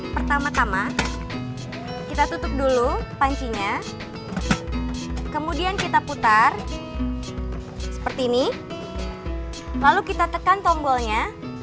pertama tama kita tutup dulu pancinya kemudian kita putar seperti ini lalu kita tekan tombolnya